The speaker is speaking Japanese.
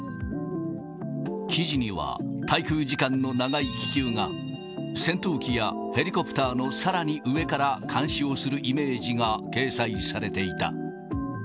記事には、滞空時間の長い気球が、戦闘機やヘリコプターのさらに上から監視をするイメージが掲載されていた。